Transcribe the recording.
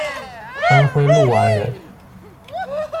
安徽六安人。